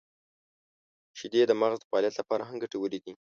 • شیدې د مغز د فعالیت لپاره هم ګټورې دي.